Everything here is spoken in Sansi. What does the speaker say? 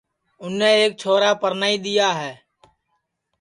اُنے ایک چھورا پرنائی دؔیا ہے